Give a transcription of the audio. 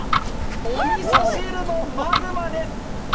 おみそ汁のマグマです。